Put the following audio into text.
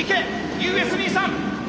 ＵＳ２３．！